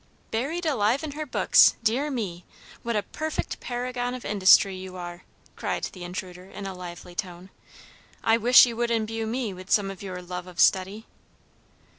"Buried alive in her books! Dear me! what a perfect paragon of industry you are," cried the intruder in a lively tone. "I wish you would imbue me with some of your love of study."